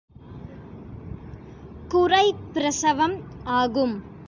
குறைப் பிரசவம் ஆகும்.